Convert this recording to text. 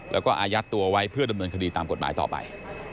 แล้วก็อายัดตัวไว้เพื่อดำเนินคดีตามกฎหมายต่อไป